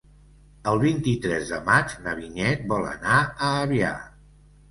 El vint-i-tres de maig na Vinyet vol anar a Avià.